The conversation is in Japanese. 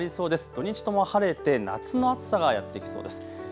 土日とも晴れて夏の暑さがやってきそうです。